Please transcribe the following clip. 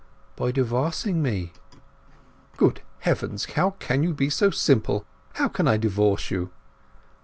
"By divorcing me." "Good heavens—how can you be so simple! How can I divorce you?"